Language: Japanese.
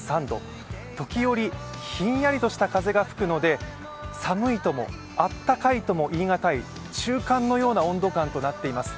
時折ひんやりとした風が吹くので、寒いともあったかいとも言い難い中間のような温度感となっています。